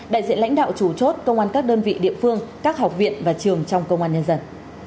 đại diện lãnh đạo chủ chốt công an các đơn vị địa phương các học viện và trường trong công an nhân dân